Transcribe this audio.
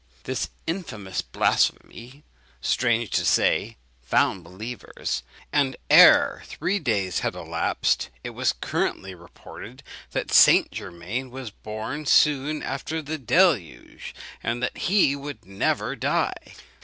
This infamous blasphemy, strange to say, found believers; and ere three days had elapsed, it was currently reported that St. Germain was born soon after the deluge, and that he would never die!